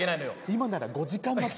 今なら５時間待ち。